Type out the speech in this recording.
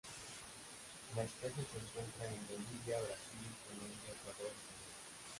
La especie se encuentra en Bolivia, Brasil, Colombia, Ecuador y Perú.